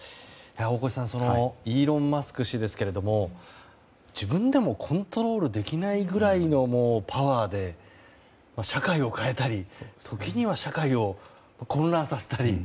大越さんイーロン・マスク氏ですけれども自分でもコントロールできないくらいのパワーで社会を変えたり時には社会を混乱させたり。